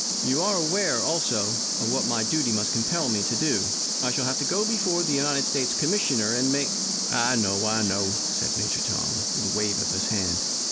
You are aware, also, of what my duty must compel me to do. I shall have to go before the United States Commissioner and make " "I know, I know," said Major Tom, with a wave of his hand.